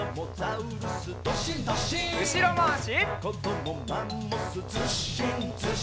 うしろまわし。